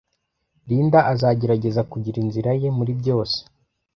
Linda azagerageza kugira inzira ye muri byose.